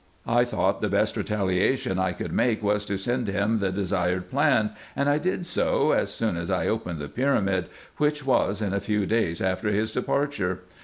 I thought the best retaliation I could make was to send him the de sired plan, and I did so, as soon as I opened the pyramid, which was in a few days after his departure.